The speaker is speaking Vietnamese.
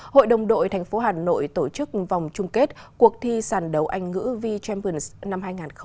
hội đồng đội thành phố hà nội tổ chức vòng chung kết cuộc thi sàn đấu anh ngữ v champions năm hai nghìn hai mươi